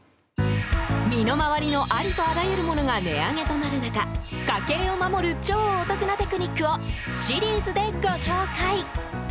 身の回りのありとあらゆるものが値上げとなる中家計を守る超お得なテクニックをシリーズでご紹介！